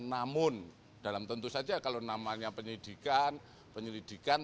namun dalam tentu saja kalau namanya penyidikan penyelidikan